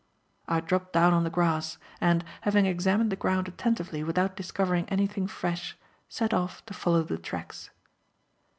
I dropped down on the grass and, having examined the ground attentively without discovering anything fresh, set off to follow the tracks.